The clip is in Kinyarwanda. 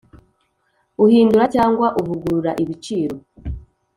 uhindura cyangwa uvugurura ibiciro